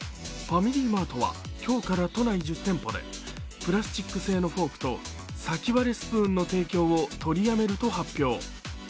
ファミリーマートは今日から都内１０店舗でブラスチック製のフォークと先割れスプーンの提供を取りやめると発表。